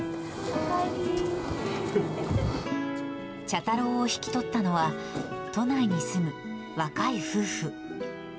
茶太郎を引き取ったのは、都内に住む若い夫婦。